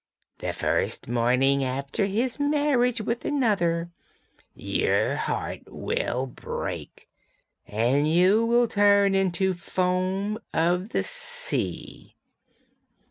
The first morning after his marriage with another your heart will break, and you will turn into foam of the sea.'